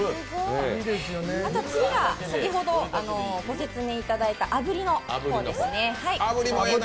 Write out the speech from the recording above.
あとは次が先ほどご説明いただいた炙りの方ですね。